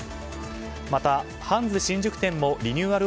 また、ハンズ新宿店もリニューアル